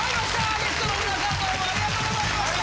ゲストの皆さんどうもありがとうございました！